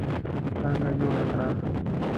څانګه جوړه کړه.